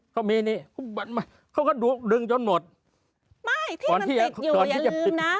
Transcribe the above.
เขามีนี่เขาก็ดูดึงจนหมดไม่ที่มันติดอยู่อย่าลืมนะ